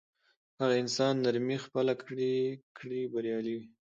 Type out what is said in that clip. هغه انسان نرمي خپله کړي بریالی وي.